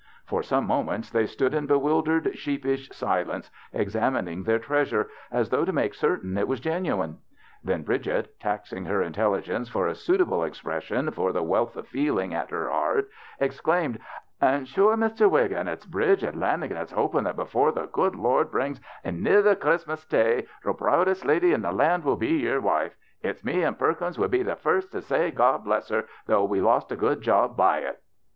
For some moments they stood in be wildered, sheepish silence, examining their treasure, as though to make certain it was genuine ; then Bridget, taxing her intelli gence for a suitable expression for the wealth of feeling at her heart, exclaimed :" And sure, Mr. Wiggin, it's Bridget Lan agan that's hoping that before the good Lord brings anither Christmas day the proudest lady in the land will be yer wife. It's me and Perkins would be the first to say * God bless her,' though we lost a good job by it."